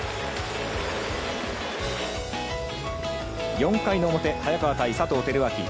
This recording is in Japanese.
４回の表、早川対佐藤輝明。